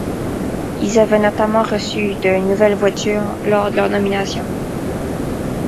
Ils avaient notamment reçu de nouvelles voitures lors de leur nomination.